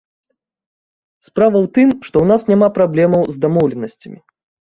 Справа ў тым, што ў нас няма праблемаў з дамоўленасцямі.